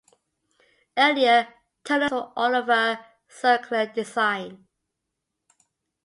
Earlier tunnels were all of a circular design.